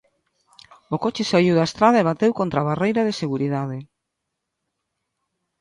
O coche saíu da estrada e bateu contra a barreira de seguridade.